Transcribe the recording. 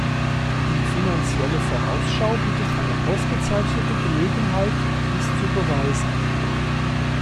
Die Finanzielle Vorausschau bietet eine ausgezeichnete Gelegenheit, dies zu beweisen.